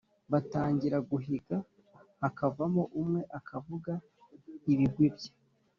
batangira guhiga: hakavamo umwe, akavuga ibigwi bye